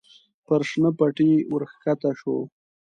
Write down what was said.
پر شنه پټي ور کښته شوه.